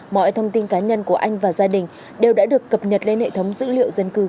mọi thông tin cá nhân của anh và gia đình đều đã được cập nhật lên hệ thống dữ liệu dân cư